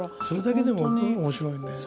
それだけでも面白いね。